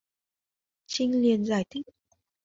Trinh liền giải thích